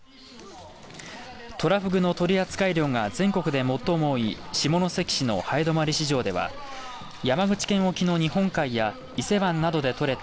トラフグの取扱量が全国で最も多い下関市の南風泊市場では山口県沖の日本海や伊勢湾などで取れた